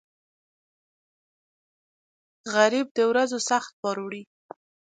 غریب د ورځو سخت بار وړي